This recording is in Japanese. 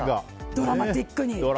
ドラマティックに。